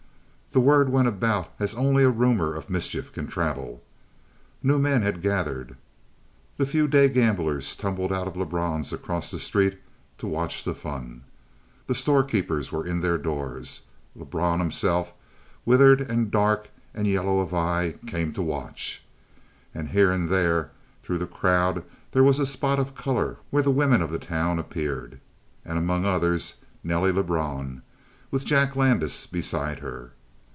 The word went about as only a rumor of mischief can travel. New men had gathered. The few day gamblers tumbled out of Lebrun's across the street to watch the fun. The storekeepers were in their doors. Lebrun himself, withered and dark and yellow of eye, came to watch. And here and there through the crowd there was a spot of color where the women of the town appeared. And among others, Nelly Lebrun with Jack Landis beside her.